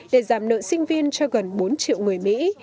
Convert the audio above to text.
để giảm nợ sinh viên cho gần bốn triệu người mỹ